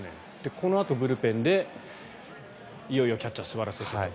このあとブルペンでいよいよキャッチャー座らせてと。